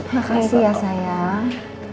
makasih ya sayang